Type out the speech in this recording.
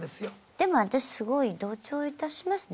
でも私すごい同調いたしますね